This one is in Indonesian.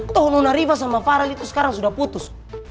toh luna riva sama farah itu sekarang sudah putus